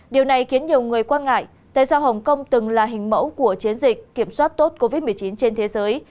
điều này khiến nhiều người quan ngại tại sao hồng kông từng là hình mẫu của chiến dịch kiểm soát tốt covid một mươi chín trên thế giới